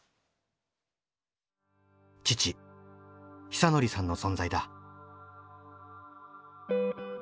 父久典さんの存在だ。